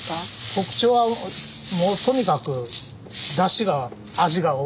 特徴はもうとにかくだしが味がおいしいっていう。